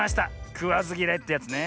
くわずぎらいってやつね。